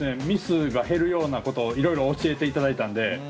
ミスが減るようなことをいろいろ教えていただいたんで。